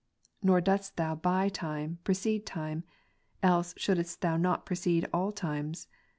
16. Nor dost Thou by time, precede time : else shouldest Thou not precede all times.